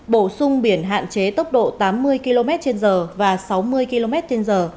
bổ sung biển hạn chế tốc độ tám mươi km trên giờ và sáu mươi km trên giờ